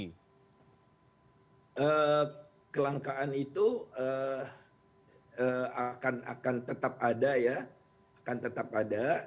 hai eh kelangkaan itu eh akan akan tetap ada ya akan tetap ada